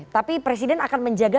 tapi presiden akan menjaga